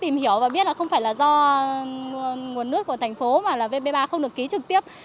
tìm hiểu và biết là không phải là do nguồn nước của thành phố mà là vb ba không được ký trực tiếp